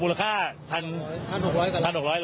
มันเหตุการณ์การทางทะไรหรือว่าไม่ใช่พูดว่ามัน